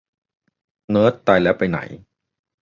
เนิร์ดตายแล้วไปไหน ?